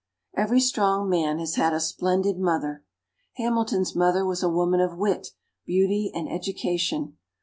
Every strong man has had a splendid mother. Hamilton's mother was a woman of wit, beauty and education.